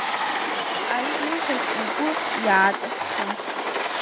Ари илҳәаз игәы иааҵаххын…